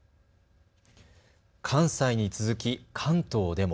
関西に続き関東でも。